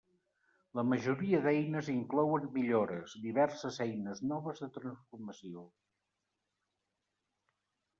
La majoria d'eines inclouen millores, diverses eines noves de transformació.